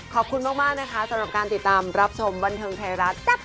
ขอบคุณมากนะคะสำหรับการติดตามรับชมบันเทิงไทยรัฐ